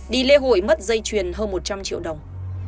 đi lễ hội mất dây chuyền hơn một trăm linh triệu đồng